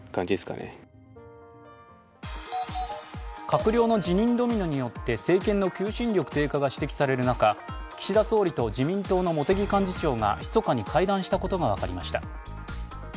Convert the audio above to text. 閣僚の辞任ドミノによって政権の求心力低下が指摘される中、岸田総理と自民党の茂木幹事長が密かに会談したことが分かりました。